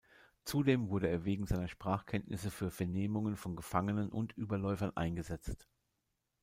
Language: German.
Zudem wurde er wegen seiner Sprachkenntnisse für Vernehmungen von Gefangenen und Überläufern eingesetzt.